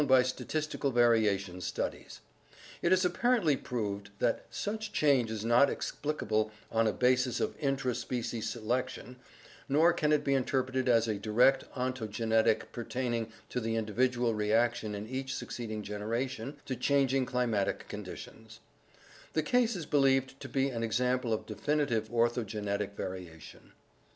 by statistical variation studies." It is apparently proved "that such change is not explicable on a basis of intra specinc selection, nor can it be < interpreted as a direct ontogenetic *£■* <*tm*b, much enlarged. ,_.*\.._,.,... n °.. (After Scott, and Osborn.) [pertaining to the individual] reaction in each succeeding generation to changing climatic conditions. The case is believed to be an example of definitive oncogenetic variation."